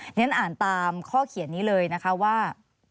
ฉันอ่านตามข้อเขียนนี้เลยนะคะว่า